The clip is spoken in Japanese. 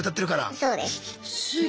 そうです。